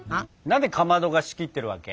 何でかまどが仕切ってるわけ？